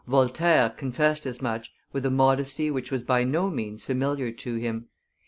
Voltaire confessed as much with a modesty which was by no means familiar to him.